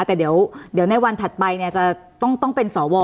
แต่เดี๋ยวในวันถัดไปเนี่ยจะต้องเป็นสว